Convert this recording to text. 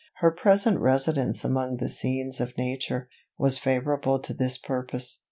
Her present residence among the scenes of nature, was favourable to this purpose.